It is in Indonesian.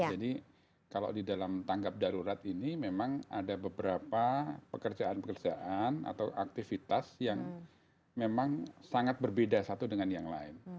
jadi kalau di dalam tanggap darurat ini memang ada beberapa pekerjaan pekerjaan atau aktivitas yang memang sangat berbeda satu dengan yang lain